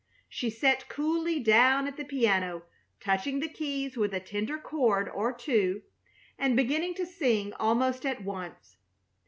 She sat coolly down at the piano, touching the keys with a tender chord or two and beginning to sing almost at once.